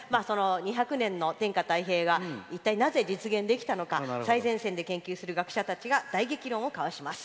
２００年の天下太平が一体なぜ実現できたのか最前線で研究する学者たちが大激論を交わします。